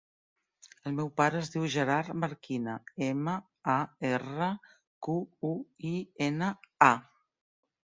El meu pare es diu Gerard Marquina: ema, a, erra, cu, u, i, ena, a.